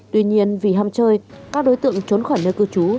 tuy nhiên vì ham chơi các đối tượng trốn khỏi nơi cư trú